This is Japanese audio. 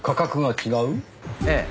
ええ。